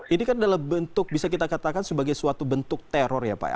ini kan dalam bentuk bisa kita katakan sebagai suatu bentuk teror ya pak